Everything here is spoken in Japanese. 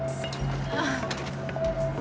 ああ。